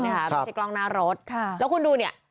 ในกล้องหน้ารถแล้วคุณดูนี่